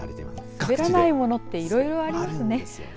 滑らないものっていろいろありますね。